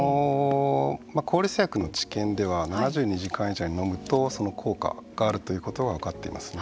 抗ウイルス薬の治験では７２時間以内に飲むと効果があるということが分かっています。